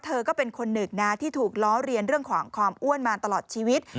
เธอก็เป็นคนหนึ่งนะที่ถูกล้อเรียนเรื่องของความอ้วนมาตลอดชีวิต